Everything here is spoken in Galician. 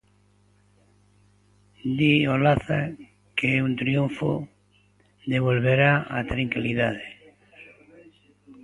Di Olaza que un triunfo devolverá a tranquilidade.